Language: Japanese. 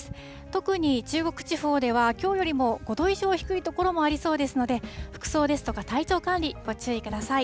特に中国地方では、きょうよりも５度以上低い所もありそうですので、服装ですとか、体調管理、ご注意ください。